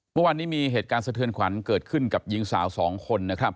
เมื่อวานนี้มีเหตุการณ์สะเทือนขวัญเกิดขึ้นกับหญิงสาวสองคนนะครับ